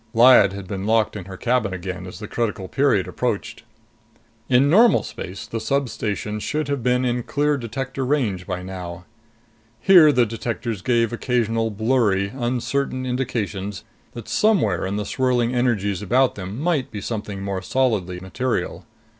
Lyad had been locked in her cabin again as the critical period approached. In normal space, the substation should have been in clear detector range by now. Here, the detectors gave occasional blurry, uncertain indications that somewhere in the swirling energies about them might be something more solidly material.